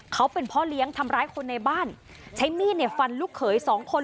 เขาเป็นพ่อเลี้ยงทำร้ายคนในบ้านใช้มีดเนี่ยฟันลูกเขยสองคน